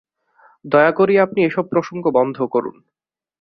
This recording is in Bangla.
দয়া করিয়া আপনি এ-সব প্রসঙ্গ বন্ধ করুন।